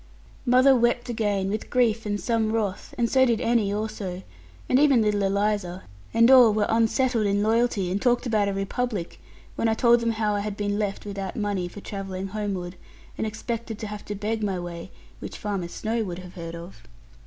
Mother wept again, with grief and some wrath, and so did Annie also, and even little Eliza, and all were unsettled in loyalty, and talked about a republic, when I told them how I had been left without money for travelling homeward, and expected to have to beg my way, which Farmer Snowe would have heard of.